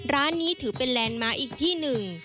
ร้านนี้ถือเป็นแลนด์มาร์คอีกที่หนึ่ง